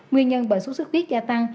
nguyên nhân bệnh sốt sốt huyết gia tăng